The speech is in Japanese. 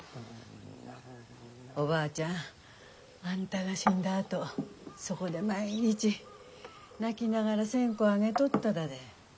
おばあちゃんあんたが死んだあとそこで毎日泣きながら線香あげとっただで。